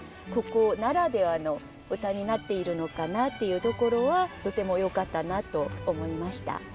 ここならではの歌になっているのかなっていうところはとてもよかったなと思いました。